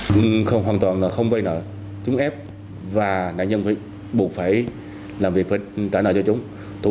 tuyền và hưng không vay nợ chúng ép và nạn nhân phải buộc phải làm việc phải trả nợ cho chúng thủ